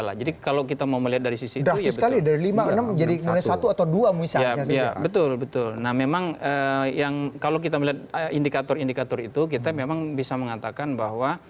dan apa keutuhan kerugiannya